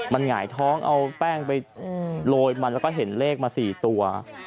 มันหงายท้องเอาแป้งไปโรยมันแล้วก็เห็นเลขมา๔ตัว